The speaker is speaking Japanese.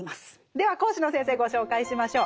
では講師の先生ご紹介しましょう。